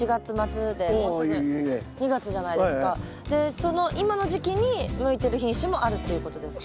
その今の時期に向いてる品種もあるっていうことですか？